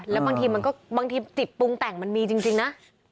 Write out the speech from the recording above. แล้วบางทีติบปูงแต่งมันมีจริงนะ